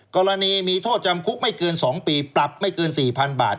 กรณีมีโทษจำคุกไม่เกิน๒ปีปรับไม่เกิน๔๐๐๐บาท